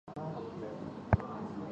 建炎四年出生。